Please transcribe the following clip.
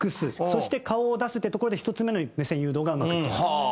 そして顔を出すっていうところで１つ目の目線誘導がうまくいってます。